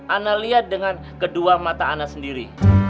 ana liat dengan kedua mata ana sendiri